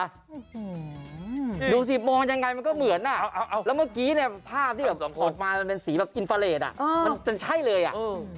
ดูสิมองมันยังไงมันก็เหมือนอ่ะแล้วเมื่อกี้เนี่ยภาพที่แบบสดมามันเป็นสีแบบอินฟาเลสอ่ะมันจนใช่เลยอ่ะ